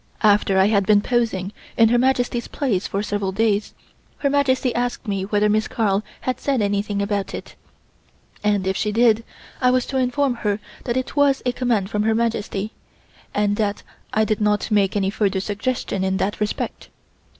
After I had been posing in Her Majesty's place for several days Her Majesty asked me whether Miss Carl had said anything about it, and if she did, I was to inform her that it was a command from Her Majesty, and that I dare not make any further suggestions in that respect.